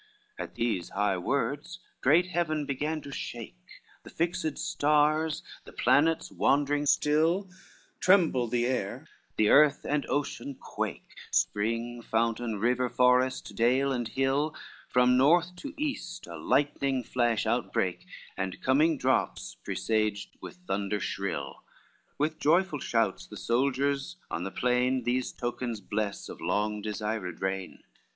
LXXIV At these high words great heaven began to shake, The fixed stars, the planets wandering still, Trembled the air, the earth and ocean quake, Spring, fountain, river, forest, dale and hill; From north to east, a lightning flash outbrake, And coming drops presaged with thunders shrill: With joyful shouts the soldiers on the plain, These tokens bless of long desired rain.